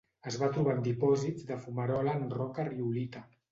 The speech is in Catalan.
Es va trobar en dipòsits de fumarola en roca riolita.